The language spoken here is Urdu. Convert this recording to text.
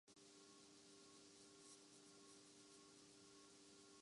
پوری دنیا میں صرف پاکستان میں ہی ہیں ۔